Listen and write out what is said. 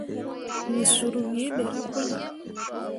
Me sur wǝǝ ɓerah puli.